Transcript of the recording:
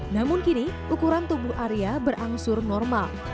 namun kini ukuran tubuh arya berangsur normal